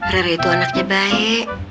rere itu anaknya baik